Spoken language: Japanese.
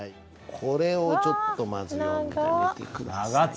これをちょっとまず読んでみて下さい。